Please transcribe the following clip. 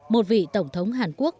một vị tổng thống hàn quốc